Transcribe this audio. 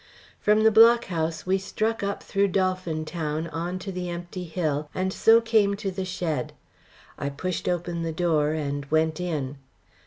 From the Block House we struck up through Dolphin Town on to the empty hill, and so came to the shed. I pushed open the door and went in.